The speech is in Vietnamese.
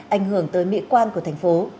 anh hưởng tới mỹ quan của thành phố